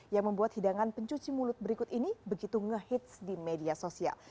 yang membuat hidangan pencuci mulut berikut ini begitu ngehits di media sosial